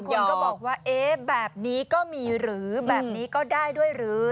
คนก็บอกว่าเอ๊ะแบบนี้ก็มีหรือแบบนี้ก็ได้ด้วยหรือ